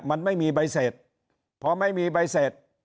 มันไม่มีใบเสร็จพอไม่มีใบเสร็จ